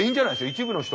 一部の人。